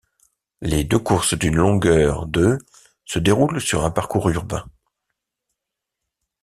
Les deux courses d'une longueur de se déroulent sur un parcours urbain.